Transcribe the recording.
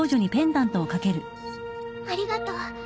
ありがとう。